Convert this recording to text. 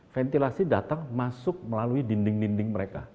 ventilasi datang masuk melalui dinding dinding mereka